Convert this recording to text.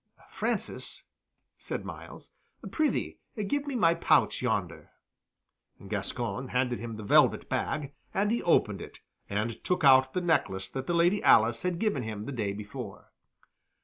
"Francis," said Myles, "prithee give me my pouch yonder." Gascoyne handed him the velvet bag, and he opened it, and took out the necklace that the Lady Alice had given him the day before.